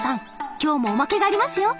今日もオマケがありますよ！